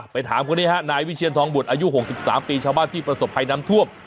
ถามคนนี้ฮะนายวิเชียนทองบุตรอายุ๖๓ปีชาวบ้านที่ประสบภัยน้ำท่วม